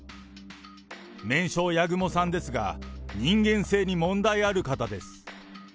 麺匠八雲さんですが、人間性に問題ある方です。